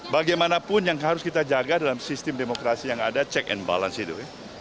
bagaimanapun yang harus kita jaga dalam sistem demokrasi yang ada check and balance itu